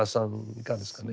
いかがですかね。